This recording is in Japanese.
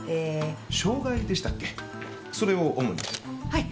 はい。